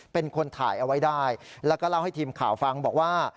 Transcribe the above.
เป็นคนถ่ายเอาไว้ได้แล้วก็เล่าให้ทีมข่าวฟังบอกว่า